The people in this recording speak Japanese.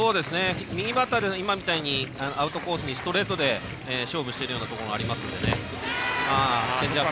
右バッターだったら今みたいにアウトコースへのストレートで勝負しているところがありますね。